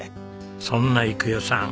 そんな育代さん